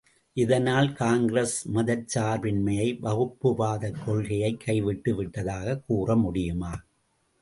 இதனால் காங்கிரஸ் மதச் சார்பின்மையை வகுப்புவாதக் கொள்கையைக் கைவிட்டு விட்டதாகக் கூற முடியுமா?